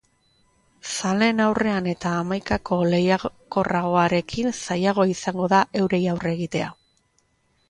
Zaleen aurrean eta hamaikako lehiakorragoarekin zailagoa izango da eurei aurre egitea.